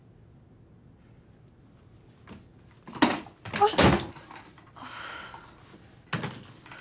あっああ。